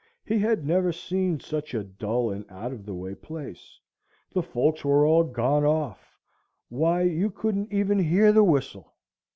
He had never seen such a dull and out of the way place; the folks were all gone off; why, you couldn't even hear the whistle!